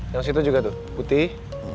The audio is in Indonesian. yang situ juga tuh putih